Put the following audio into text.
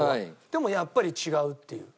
でもやっぱり違うっていう。